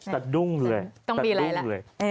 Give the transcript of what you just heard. สะดุ้งเลยต้องมีไรล่ะ